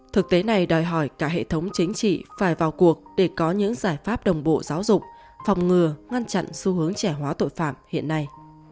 thực tế này đòi hỏi cả hệ thống chính trị phải vào cuộc để có những giải pháp đồng bộ giáo dục phòng ngừa ngăn chặn xu hướng trẻ hóa tội phạm hiện nay